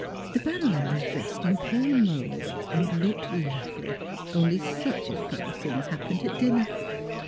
The Baronne was dressed in pale mauve and looked lovely, only such a funny thing happened at dinner.